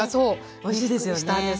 おいしいですよね。